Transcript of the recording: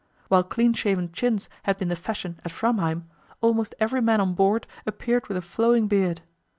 While clean shaven chins had been the fashion at Framheim, almost every man on board appeared with a flowing beard.